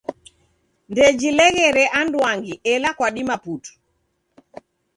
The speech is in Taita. Ndejileghere anduangi ela kwadima putu.